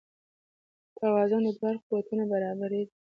توازن د دواړو قوتونو برابري ده.